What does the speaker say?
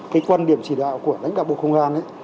cái quan điểm chỉ đạo của lãnh đạo bộ công an ấy